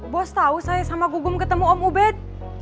bos tahu saya sama gugum ketemu om ubed